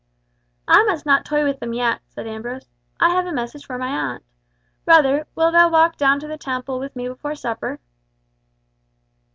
"I must not toy with them yet," said Ambrose, "I have a message for my aunt. Brother, wilt thou walk down to the Temple with me before supper?"